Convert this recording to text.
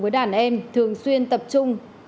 với đàn em thường xuyên tập trung